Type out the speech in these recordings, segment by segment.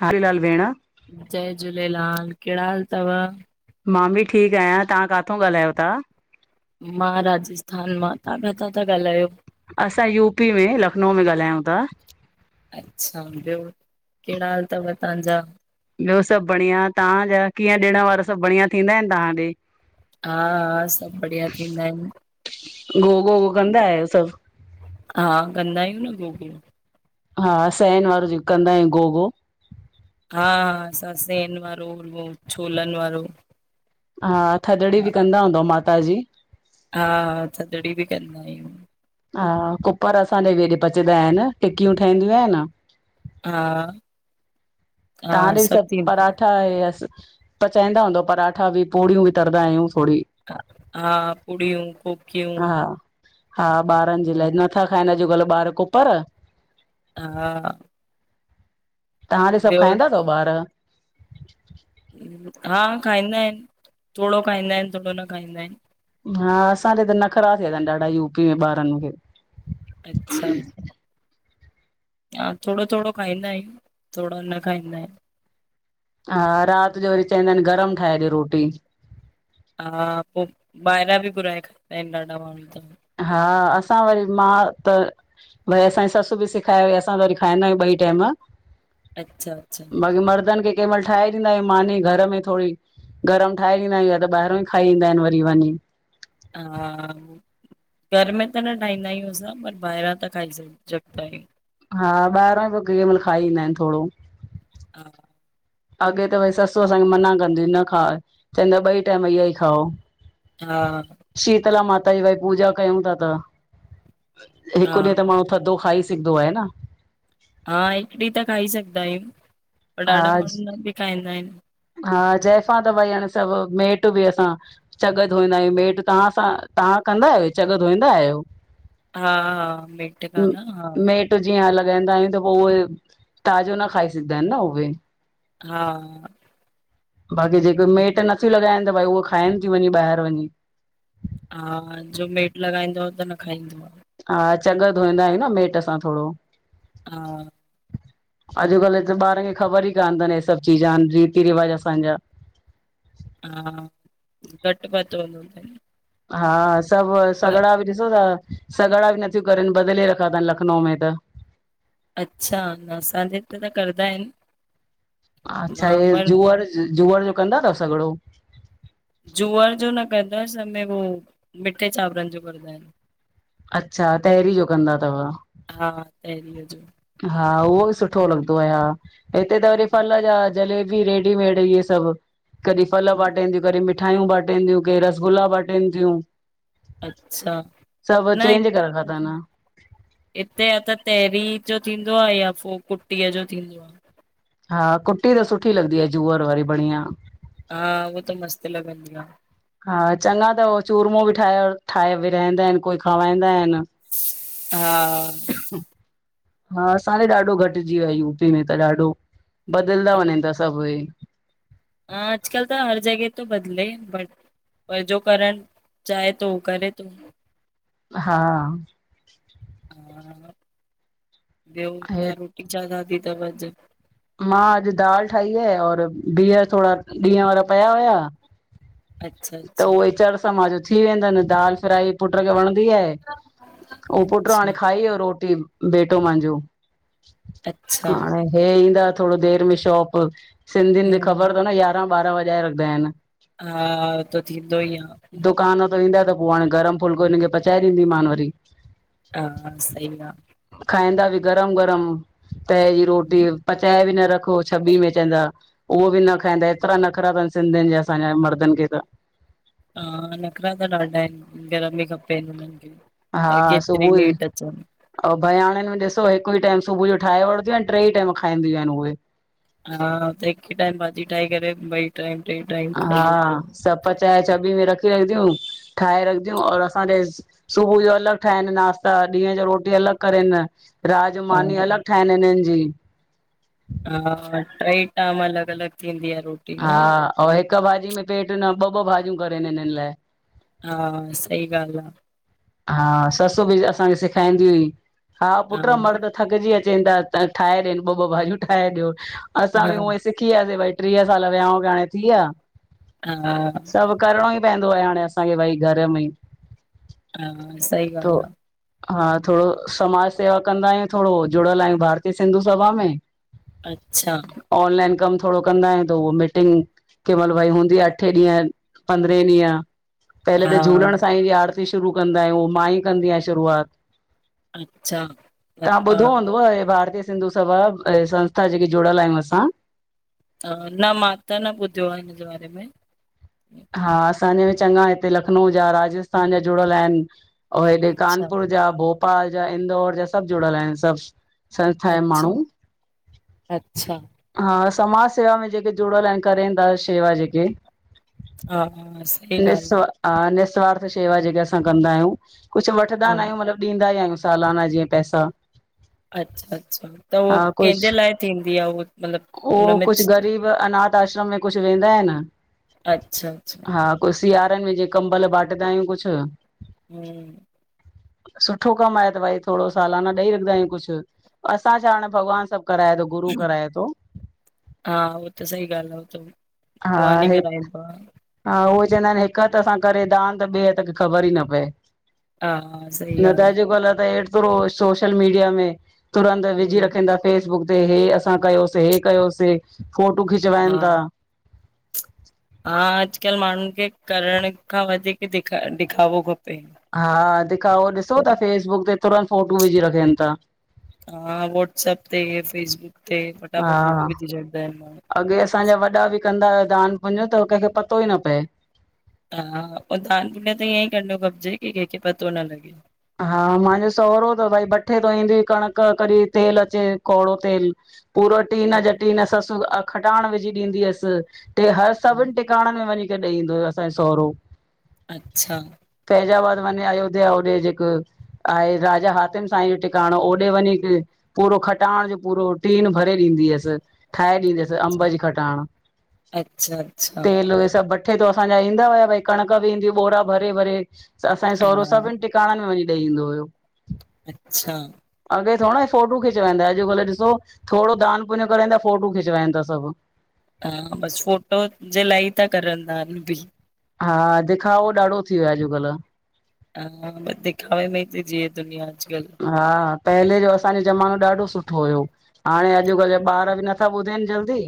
हलु हलु भेण जय झूलेलाल, कहिड़ा हाल तव? मां बि ठीकु आहियां, तहां काथो ॻाल्हायो ता? मां राजस्थान मां, तहां काथां ता ॻाल्हायो? असां यूपी में, लखनऊ में ॻाल्हायूं ता अच्छा, ॿियो कहिड़ा हाल तव तव्हांजा? ॿियो सभु बढ़िया तहांजा कीअं ॾिण वार सभु बढ़िया थींदा आहिनि तहां ॾे? हा हा सभु बढ़िया थींदा आहिनि गोगो वो कंदा आहियो सभु? हा कंदा आहियूं न गोगो। हां सइन वारो जेको कंदा आहियूं गोगो। हा हा असां सइन वारो छोलनि वारो हा, थदड़ी बि कंदा हूंदव माता जी? हा थदड़ी बि कंदा आहियूं। हां कूपर असांजे व हेॾे पचंदा आहिनि टिकियूं ठहंदियूं आहिनि हा हा तव्हांङे बि सभु थींदो, पंराठा हे पचाईंदा हूंदव पंराठा बि, पुड़ियूं बि तरंदा आहियूं थोरी आहे। हा पुड़ियूं, कोकियूं हा, हा ॿारनि जे लाइ न नथा खाइनि अॼुकल्ह ॿार कूपर हा तव्हांॾे सभु ॿियो खाईंदा तव ॿार? हा खाईंदा आहिनि, थोरो खाईंदा आहिनि थोरो न खाईंदा आहिनि। हा असांज ते नखरा थिया अथन ॾाढा यूपी में ॿारनि खे। अच्छा! हा थोङो थोङो खाईंदा आहियूं, थोङो न खाईंदा आहियूं। हा रात जो वरी चंइदा आहिन गरम ठाहे ॾियो रोटी। हा पो ॿाहिरां बि घुराए खांइदा आहिन ॾाढा माण्हू त। हा असां वरी, मां त भई असांजी ससु बि सेखाए वई, असां त वरी खाईंदा आहियूं ॿई टाइम। अच्छा अच्छा बाक़ि मर्दनि खे कंहिं मइल ठाहे ॾींदा आहियूं मानी घर में थोड़ी गरम ठाहे ॾींदाआहियूं या त ॿाहिरो खाई ईंदा आहिनि वरी वंञी। हा [inaudible] घर में त न ठाहींदा आहियूं असां पर ॿाहिरां त खाई सघंदा आहियूं। हा ॿाहिरां बि कंहिं मइल खाई ईंदा आहिनि थोड़ो। [inaudible] अॻे त भई सस असांखे मना कंदी हु, ई न खाओ चवंदि हुई ॿइ टाइम इह ई खाओ। हा शीतला माता जी भई पूजा कयूं था त हिकु ॾींहुं त हा माण्हू थधो खाई सघदो आहे न हा हिकु ॾींहुं त खाई सघदा आहियूं पर ॾाढा हा माण्हू न बि खाईंदा आहिन। हा जायफां त भई हाणे सभु मेट बि असां चॻ धोईंदा आहियूं मेटु तव्हां सां, तव्हां कंदा आहियो, चॻ धोईंदा आहियो? हा हा मेट मेट जीअं लॻाईंदा आहियूं त पो उहे ताज़ो न खाई सघदा आहिन न उहे। हा बाक़ी जेके मेट नथियूं लॻाइनि त भई उहे खाइनि थियूं वंञी ॿाएर वंञी। हा जो मेट लॻाईंदो आ त न खाईंदो आ। हा चॻ धोईंदा आहियूं न मेट सां थोड़ो। हा। अॼुकल्ह त ॿारनि खे ख़बर ई कान अथनि हे सभ चीज रीति रिवाज असांजा। हा, घट पतो हूदो थन। हा सब सॻड़ा बि ॾिसो था सॻड़ा बि नथियूं करनि, बदिले रखा थनि लखनऊ में त। अच्छा! न असांजे हिते त करदा आहिन। अच्छा इअ जूअ-र जूअर जो कंदा अथव सॻड़ो? जूअर जो न कंदा आयूं, असां में उहो मिठे चांवरन जो कंदा आहिन। अच्छा, ताहिरी जो कंदा थव। हा ताहिरीय जो। हा उहो बि सुठो लॻदो आ, हिते त वरी फल जा जलेबी रेडीमेड इहे सभु, कॾहिं फल बाटंदियूं। कढी मिठायूं बाटनि थियूं, के रसगुला बाटनि थियूं। अच्छा सब न चेंज करे रखो थन। हिते या त ताहिरी जो थींदो आ या पो कुटीअ जो थींदो आ। हा कुट्टी त सुठी लॻंदी आ जूअर वारी बढिया। हा, उह त मस्त लॻंदी आ। हा चगा त चूरमो बि ठाहे- ठाहे विराईदा आहिन कोई खावाईंदा आहिन। हा [unintelligible] हा असां ॾे ॾाढो घटिजी वियो आ, यूपी में त ॾाढो बदिलिन था वञनि था सभु हे हा आॼकल्हु त हर जगह, त बदले बटे पर जो करण, चाहे तो करे तो हा हा, ॿियो हे तां रोटी छा खादी तव अॼु? मां अॼु दाल ठाही आ और बिह थोरा ॾींहु वारा पिया हुया अच्छा त अच्छा वुई चर समाजां थी वेंदिन हिनि दाल फ्राई पुट खे वणंदी आ। ओ पुट अच्छा हाणे खाई वयो रोटी, बेटो मांजो अच्छा हाणे हे ईंदा, थोरो देर में शॉप सिन्धियनि जी हम्म ख़बर कोने, यारहां- ॿारहं वजाए रखंदा आहिनि। हा, हो त थीदो ईयं दुकान त ईंदा त पो हाणे गरम फुलको, हिन खे पचाए ॾींदीमान वरी हा सही आ। खाईंदा ॿि गरम -गरम तए जी रोटी पचाए बि न रखो, छबी में चवंदा उहो बि न खाईंदा एतिरा नखरा तनि सिन्धियनि जे असांजे मर्दन खे त हा, नख़रा त ॾाढा आहिनि, गरम बि खपे हिननि खें चाहे केतरी भी लेट अचनि। अ भयाणिन में ॾिसो हिकु ई टाइम सुबुह जो ठाहे वठंदियूं हिनि, ट्रेर्ई टाइम खाईंदियूं हिनि, उई हा त हिकु टाइम भाॼी ठाहे करे, ॿई टाइ ट्रे टाइम हा खाईयूंदी सभु पचाए चाॿी में रखीदियूं ठाहे रखंदियूं और असांजे सुबुह जो अलॻ ठाहिन नाश्ता ॾींहु जो रोटी अलॻ करेन न राज मानी अलॻ ठाहिनि हिनन जी हा ट्रेई टाईम अलॻ -अलॻ थींदी आ, रोटी हा, न। ओ हिकु भाॼी में पेट न, ॿ- ॿ भाॼियूं करेन हिननि लाइ हा सही ॻाल्हि आ। हा, ससु बि असांखे सेखारींदी हुई, हा आ। पुट मर्द थकजी अचेन त था ठाहे ॾियीन ॿ -ॿ भाॼियूं ठाहे ॾियो, असां हा हा बि उई सिक किया से भाई, ट्रीह साल विहांऊ खे हाणे थिया। हा सभ करिणो ई पवंदो आ, हाणे असांखे भई घरु में हा, सही तो ॻाल्हि आ। हा, थोरो समाज सेवा कंदा आहियूं, थोरो जुड़ियल आहियूं, भारतीय सिंधु सभा में अच्छा ऑनलाइन कम थोरो कंदा हिनि, तो वो मीटिंग के महिल भई हूंदी आ, अठे ॾींहु, पंद्रहें ॾींहु पहले त हा झूलण सांईं जी आरती शुरू कंदा आहियूं, मां ई कंदी आ शुरूआत अच्छा तां लता ॿुधो हूंदोव हे, भारती सिंधु सभा, ऐं संस्था जेके जुड़ियल आहियूं असां न मां त न ॿुधियो, आ हिनजे बारे में हा असांजे चङा हिते, लखनऊ जा, राजस्थान जा जुड़ियल आहिनि। ओ, हेॾे अच्छा कानपुर जा, भोपाल जा, इंदौर जा सभु जुड़ियल आहिनि सभु संस्था जा अच्छा माण्हूं अच्छा हा समाज सेवा में जेके जुड़ियल आहिनि, करेंन दा शेवा जेके। हा हा असां निसोआ नि्स्वार्थ शेवा जेके असां कंदा आहियूं, कुझ वठंदा आ, हा न आहियूं मतिलबु ॾींदा ई आहियूं, सालाना जीअं पैसा। अच्छा- अच्छा त उहो हा कंहिंजे कुझु लाइ थींदी आहे उह मतिलबु हुन में व अनाथ आश्रम में कुझु वेंदा आहे न अच्छा -अचछा हा कोई सियारे में जीअ कंबल बाटंदा आहियूं कुछ हम, सुठो कमु आहे त भई थोड़ो सालाना ॾेई रखंदा आहियूं कुछ। असां छा हाणे भॻवानु सभु कराए थो गुरू कराए थो। हा उहो त सही ॻाल्हि आहे उह त। हा हे अ हा उहे चवंदा आहिनि हिकु हथ सां करे दान त ॿिए हथ खे ख़बर ई न पए। हा हा सही न त ॻाल्हि आ, अॼुकल्ह त हेतरो, सोशल मीडिया में तुरंत विझी हम्म रखंदा। फेसबुक ते हे असां कयोसीं, हे कयोसीं फोटू हा खिचवााइनि था। हा अॼुकल्ह माण्हुनि खे करण खां वधीक दिखा दिखावो, खपे हा दिखाओ ॾिसो था। करे फेसबुक ते तुरंत फोटू विझी रखनि था। हा वॉट्सप ते फेसबुक ते हा फटाफट फोटो विझी छॾंदा आहिनि। अॻे असांजा वॾा बि कंदा हुआ, दान पुञ त कंहिंखे पतो ई न पए। हा दान पुण्य त ईअं ई करणो खपजे की कंहिंखे पतो न लॻे। हा माहंजो सहुरो त भई भठे तो ईंदी कणिक कॾहिं तेल अचे कोड़ो तेल। पूरो टीन हम्म, जा टीन ससु अ खटाण विझी ॾींदी असि ते हर हम्म, सभिनि टिकाणनि में वञी ॼडई ईंदो हुयो असांयो सहुरो। अच्छा तैजााबाद वने अयोध्या होॾे जे क आहे राजा हाातिम साईं जो टिकाणो ओॾे वञई ती। पूरो खटाण जो पूरो टीन भरे ॾींदी हुअस। ठाहे अ- ॾींदसि अम्ब जी खटाण अच्छा अच्छा तेल वॻे सभु वठी उते थो असांजा ईंदा हुया भई कणक बि ईंदी बोरा भरे भरे असांजो सहुरो हा सभिनिटिका- काणनि में वञी ॾेई ईंदो हुयो। अच्छा अॻे थोरा फोटू खिचाईंदा अॼुकल्ह ॾिसो थोरो दान पुञ करंता, फोटू खिचाईनि था सभु। हा बसि फ़ोटो जे लाइ था करनिं दान बि हा दिखावो ॾाढो थी वियो आहे अॼुकल्ह ह बदिखावे में ही ती जीेए दुनिया अॼुकल्ह। हा पहले जो असांजो ज़मानो ॾाढो सुठो हुयो। हाणे अॼुकल्ह जा ॿार बि नथा ॿुधनि जल्दी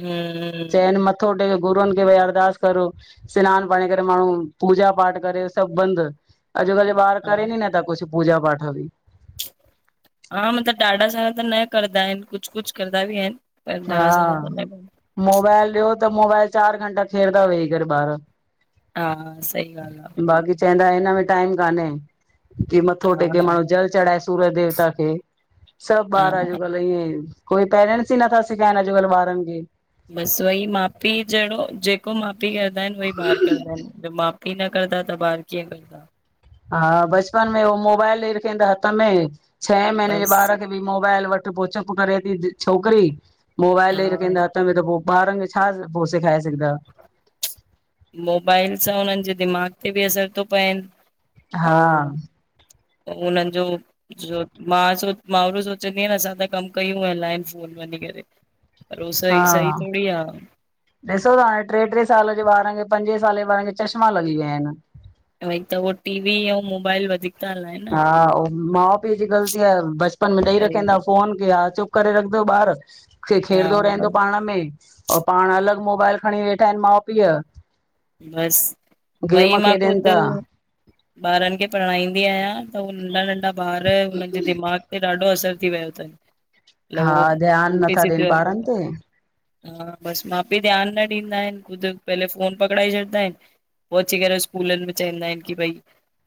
हम्म चएन मथ थोटेके् गुरुअनि खे भई अरदास करो। सनानु पाणी करे माण्हू पूजा पाठ करे सभु बंदि। अॼुकल्ह जा ॿार हा करे नी नथा कुझु पूजा पाठ बि हा मतिलब ॾाढा सारा त न करंदा आहिनि कुझु कुझु करदा बि आहिनि। पर हा ॾाढा सारा त न कंदा। मोबाइल ॾियो त मोबाइल चार घंटा खेरंदा वेही करे ॿार। हा सही ॻाल्हि आहे। बाक़ी चवंदा हिन में टाइम कान्हे की मथो टेके हा माण्हू जल चढ़ाए सूरज देवता खे सभु हा ॿार अ हा जो हे कोई पेरेंटस ई नथा सिखाइण अॼकल्ह बारनि खे बसि वई माउ पीउ जहिड़ो जेको माउ पीउ कंदा आहिनि उई ॿार कंदा आहिनि मा कीअ न कंद त ॿार कीअं कंदा हा बचपन में होो मोबाइल ॾेई रखेन हथ में छहें महीने जे बसि ॿार मोबाइल वटि पो चप करे थी छोकिरी मोबाइल हा ॾई रखा हथ त पोइ ॿारनि खे छा पोइ सेखाए सघंद मोबाइल सां हुननि जे दिमाग़ु ते बि असर थो पएनि हा ऐं त उन्हनि जो मां सो मू सोचंदी आहियां न असां त कमु कयूं हलनि फोन वञी करे परो हा सईी सी थोरीी आहे ॾिसो त हाणे टे टे साल जे ॿारनि खे पंजे साल जे ॿार खे चश्मा लॻी विया आहिनि भई त उहो टी वी ऐं मोबाइल वधीक था हलाइनि न हा माउ पीउ जी ग़लती आहे बचपन में ॾेई वरी रखंदा फोन क हा चुप करे रखंदो ॿारु क हा खेॾंदो रहंदो पाण में ऐं पाण अलॻि मोबाइल खणी वेठा आहिनि माउ पीउ बस भई गेम मां खेॾनि था ख़ुदि ॿारनि खे पढ़ाईंदी आहियां त हू नंढा नंढा ॿार हुननि जे दिमाग़ ते ॾाढो असरु थी वियो अथनि अल हा उह ध्यानु उल्टी नथा सिध ॾियनि ॿारनि ते हा बसि माउ पीउ ध्यानु न ॾींदा आहिनि ख़झु पहले फोन पकड़ाए छॾींदा आहिनि पोइ अची करे स्कूलनि में चवंदा आहिनि की भई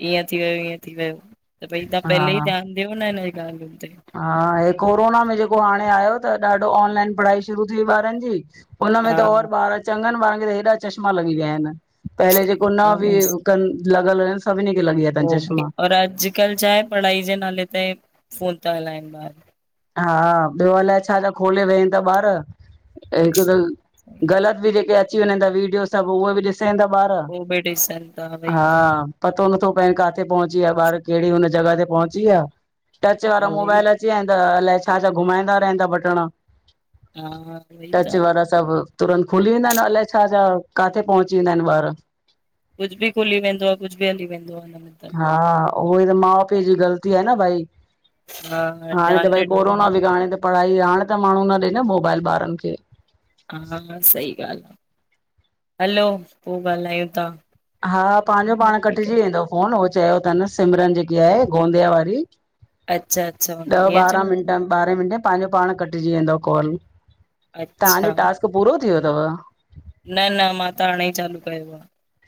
ईअं थी वियो ईअं थी वियो त भई त पहले हा ई ध्यान ॾियो न हिनन जी गाल्नि ते हा हे कोरोना में जेको हाणे आयो त ॾाढो ऑनलाइन पढ़ाई शुरू थीई ॿारनि जी हुनमें हा त और ॿार चङनि ॿारनि खे त हेॾा चश्मा लॻी विया आहिनि पहले जेको न हा बि बसि लॻल हुनि सभिनी खे लॻी वया तनि चश्मा राज [inaudible] अॼुकल्ह छा आहे पढ़ाई जे नाले ते फफ़ोन था हलाइनि ॿार हा ॿियो अलाए छा छा खोले वेहनि था ॿार हिकु त ग़लति के अची वञ वीडियो सभ उहे बि ॾिसाई ईंदा ॿार पो बि ॾिसनि था वई हा त पतो नथो पए किथे पहुचीिया ॿार कहिड़ी हुन जॻह ते पहुचीिया टच वारा वई मोबाइल अलाए छा छा घुमाईंदा रहंदा बटण हा वई टच त वारा सभु तुरंत खुली वेंदा आहिनि अलाए छा छा किथे पहुची वेंदा आहिनि ॿार कुझु बि खुली वेंदो आहे कुझु बि हली वेंदो आहे हुन मेंें हा उहई त माउ पीउ जी ग़लती आहे न भई हा हाणे त ध्यानु न भई ॾींदा कोरोना बि हाणे त पढ़ाई हाणे त माण्हू न ॾे न मोबाइल ॿारनि खे हा सही ॻाल्हि आहे हलो पोइ ॻाल्हायूं था हा पंहिंजो हाँ, पाण ठीक है। कटिजी वेंदो फोन उहो चयो अथनि सिमरन जेकी आहे गोंदिया वारी अच्छा, अच्छा हुन ॾह हीअं ॿारहां चयो मिंट तईं? ॿारहें मिंटे में पंहिंजो पाण कटिजी वेंदो कॉल तव्हांजो अच्छा, टास्क पूरो थी वियो अथव न न मां त हाणे ई चालू कयो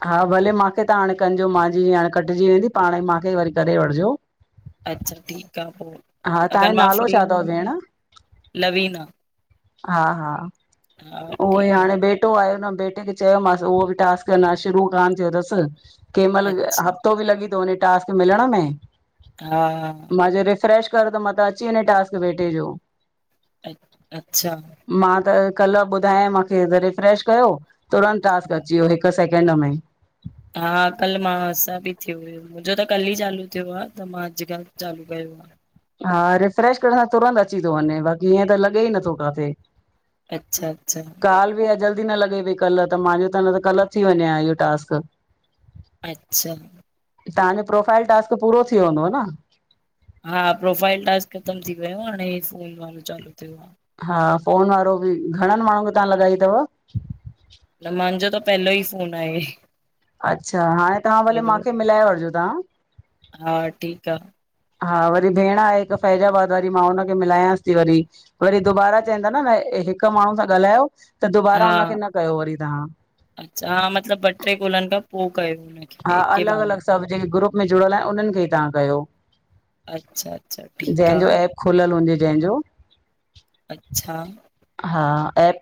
हा भले मांखे त हाणे कजो मुंहिंजी हाणे कटिजी वेंदी पाणइ मांखे वरी करे वठिजो अच्छा ठीकु आ हा अगरि तव्हांजो मां नालो फ्री छा अथव हूंदमि भेण लवीना हा हा हा उहो ई ठीकु आ, हाणे बेटो आयो न बेटे खे चयोमांस उहो बि टास्क अ‌ञा शुरू कान थियो तस कह मल अच्छा हफ़्तो बि लॻी तो वञे टास्क मिलण में हा। मां चह रिफ्रेश कर त मां अची वञे टास्क बेटे जो। अ अच्छा। मां त कल्ह ॿुधायां माखे त रिफ्रेश कयो। तुरंत टास्क अची वियो हिक सेकेंड में। हा कल्ह मांसां बि थियो हुयो। मुंजो त कल्ह ई चालू थियो आ त मां अॼका चालू कयो आ। हा रिफ्रेश करण सां तुरंत अची ती वञे बाक़ी ईअं त लॻे ई नथो काथे। अच्छा अच्छा। काल बि आ जल्दी न लॻे पई कल्ह त मांजो न त कल्ह थी वञे आ इहो टास्क। अच्छा। तव्हांजो प्रोफाइल टास्क पूरो ती व्यो हुंदो ह न? हा प्रोफाइल टास्क ख़तम थी वियो आ हाणे फोन वारो चालू थियो आ। हा फ़ोन वारो बि घणन माण्हु खे तव्हां लॻाई तव? न मांझो त पहलो ई फोन आई। अच्छा हाणे तव्हां भले माखे मिलाए वठजो तव्हां। हा ठीक आ। हा वरी भेण आहे हिक फैजाबाद वारी मां हुनखे मिलायांस ती वरी। वरी दुबारा चवन ता न न हिक माण्हू सां ॻाल्हायो त दुबारा हा हुनखे न कयो वरी तव्हां। अच्छा हा मतलब ॿ टे काॅलन खां पो कयो। हा एके अलॻ बार अलॻ में सभ जेके ग्रुप में जुड़यल आ उन्हन खे ई तव्हां कयो। अच्छा अच्छा ठीक। पेंजो एप खुलयल हुजे जेंजो। अच्छा। हा ऐप